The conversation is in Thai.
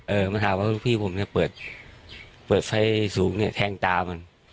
มาถามว่าพี่ผมเนี่ยเปิดเปิดไฟสูงเนี่ยแทงตามัน